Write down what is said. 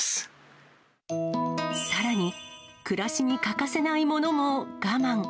さらに、暮らしに欠かせないものも我慢。